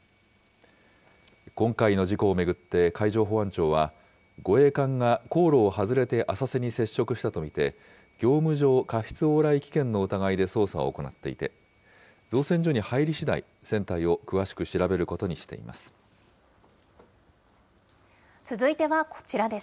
今回の事故を巡って海上保安庁は、護衛艦が航路を外れて浅瀬に接触したと見て、業務上過失往来危険の疑いで捜査を行っていて、造船所に入りしだい、船体を詳しく調べることにしています。